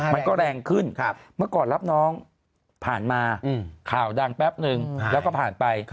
มันก็แรงขึ้นเมื่อก่อนรับน้องผ่านมาข่าวดังแป๊บนึงแล้วก็ผ่านไป